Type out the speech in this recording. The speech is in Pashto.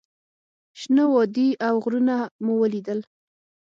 شنه وادي او غرونه مو لیدل.